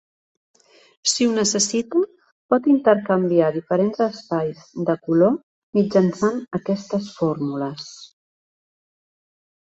Si ho necessita, pot intercanviar diferents espais de color mitjançant aquestes fórmules.